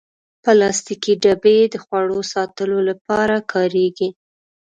پلاستيکي ډبې د خواړو ساتلو لپاره کارېږي.